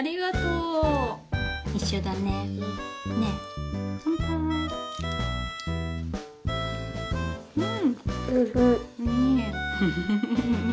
うん。